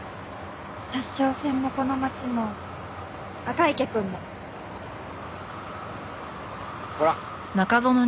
札沼線もこの町も赤池くんも。ほら。